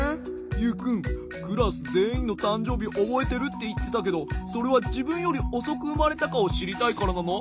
ユウくんクラスぜんいんのたんじょうびおぼえてるっていってたけどそれはじぶんよりおそくうまれたかをしりたいからなの？